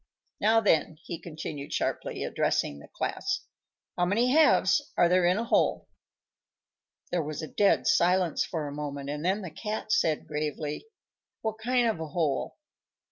Now, then," he continued sharply, addressing the class, "how many halves are there in a whole?" There was a dead silence for a moment, and then the Cat said gravely, "What kind of a hole?"